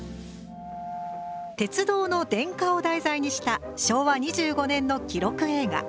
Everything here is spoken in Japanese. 鉄道の電化を題材にした昭和２５年の記録映画。